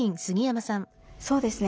そうですね